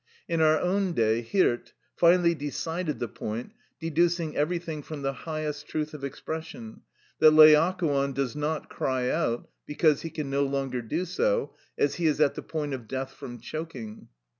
In our own day Hirt (Horen, 1797, tenth St.) finally decided the point, deducing everything from the highest truth of expression, that Laocoon does not cry out, because he can no longer do so, as he is at the point of death from choking.